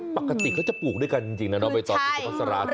ปกติเขาจะปลูกด้วยกันจริงน่ะไปตอนอุปกรณ์ศราชน์